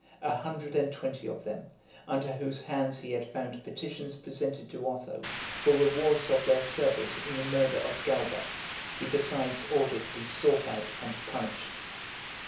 A hundred and twenty of them, under whose hands he had found petitions presented to Otho, for rewards of their service in the murder of Galba, he besides ordered to be sought out and punished.